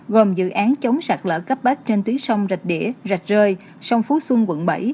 gồm dự án chống sạt lỡ cấp bách trên tuyến sông rạch đĩa rạch rơi sông phú xuân quận bảy